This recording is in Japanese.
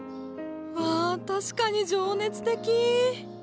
わあ確かに情熱的！